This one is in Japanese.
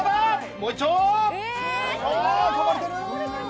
もう一丁！